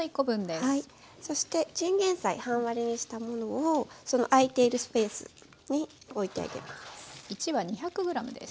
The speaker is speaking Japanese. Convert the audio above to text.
そしてチンゲンサイ半割りにしたものをその空いているスペースにおいてあげます。